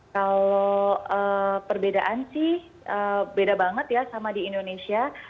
kalau perbedaan sih beda banget ya sama di indonesia